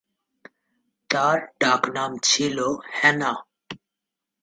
তার ডাকনাম ছিল হেনা।